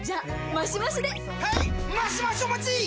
マシマシお待ちっ！！